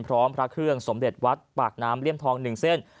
พร้อมพระเครื่องสมเด็จวัดปากนามเลี่ยมทองหนึ่งเส้น